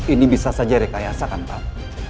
ini bisa saja rekayasa kan pak